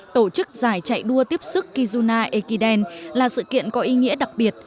tổ chức giải chạy đua tiếp sức kizuna ekiden là sự kiện có ý nghĩa đặc biệt